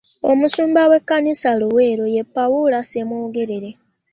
Omusumba wa kasana-Luwero ye Pawula Ssemwogerere.